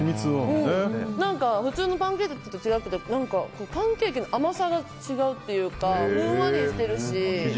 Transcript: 普通のパンケーキと違って何かパンケーキの甘さが違うというかふんわりしているし。